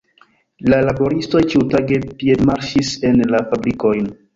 La laboristoj ĉiutage piedmarŝis en la fabrikojn.